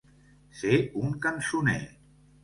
Ser un cançoner.